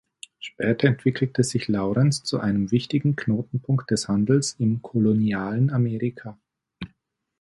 Später entwickelte sich Laurens zu einem wichtigen Knotenpunkt des Handels im kolonialen Amerika.